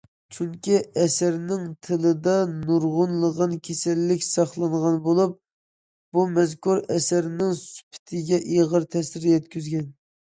چۈنكى ئەسەرنىڭ تىلىدا نۇرغۇنلىغان كېسەللىك ساقلانغان بولۇپ بۇ مەزكۇر ئەسەرنىڭ سۈپىتىگە ئېغىر تەسىر يەتكۈزگەن.